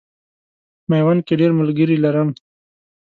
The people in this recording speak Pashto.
میوند کې ډېر ملګري لرم.